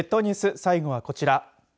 最後はこちら。